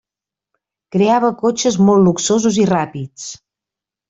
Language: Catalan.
Creava cotxes molt luxosos i ràpids.